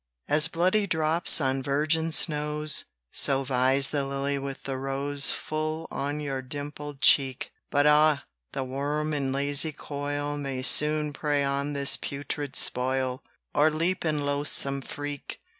As bloody drops on virgin snows, So vies the lily with the rose Full on your dimpled cheek; But ah! the worm in lazy coil May soon prey on this putrid spoil, Or leap in loathsome freak.